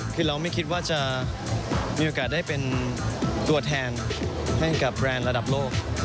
คือเราไม่คิดว่าจะมีโอกาสได้เป็นตัวแทนให้กับแบรนด์ระดับโลก